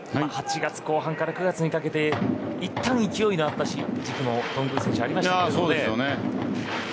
８月後半から９月にかけていったん勢いのあった時期も頓宮選手はありましたけどね。